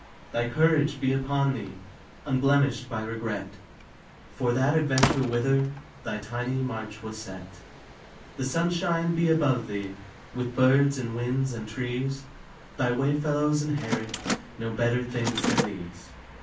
Thy courage be upon thee, Unblemished by regret, For that adventure whither Thy tiny march was set. The sunshine be above thee, With birds and winds and trees. Thy way fellows inherit No better things than these.